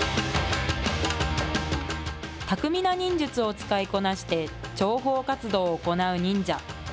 巧みな忍術を使いこなして、諜報活動を行う忍者。